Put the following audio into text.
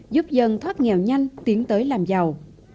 giúp dân thoát nghèo nhanh tiến tới làm giàu